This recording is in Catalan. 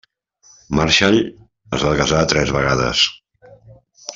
Marshall es va casar tres vegades.